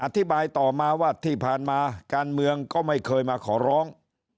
อธิบายต่อมาว่าที่ผ่านมาการเมืองก็ไม่เคยมาขอร้อง